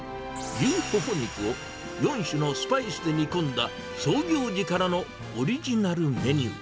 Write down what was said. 牛ホホ肉を４種のスパイスで煮込んだ創業時からのオリジナルメニュー。